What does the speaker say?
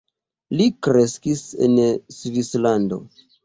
Li kreskis en Svislando.